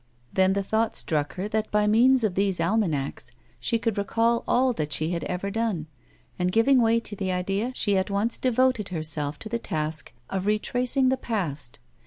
Then the thought struck her that by means of these almanacs she could recall all that she had ever done, and giving way to the idea, she at once devoted herself to the task of retracing the past.